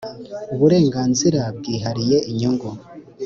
uburenganzira bwihariye inyungu .